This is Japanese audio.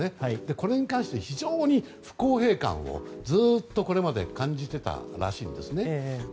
これに関して非常に不公平感をずっと、これまで感じていたらしいんですね。